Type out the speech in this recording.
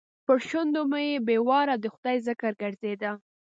پر شونډو مې بې واره د خدای ذکر ګرځېده.